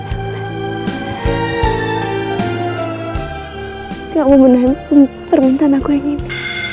enggak mau menahan permintaan aku yang ini